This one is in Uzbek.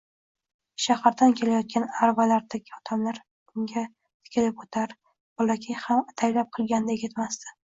Shahardan kelayotgan aravalardagi odamlar unga tikilib oʻtar, bolakay ham ataylab qilganday ketmasdi